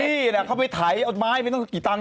นี่เขาไปไถเอาไม้ไปน่ะกี่ตัน